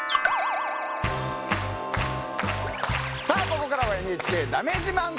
さあここからは「ＮＨＫだめ自慢」。